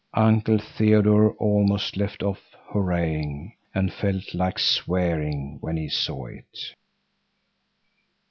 Uncle Theodore almost left off hurrahing and felt like swearing when he saw it.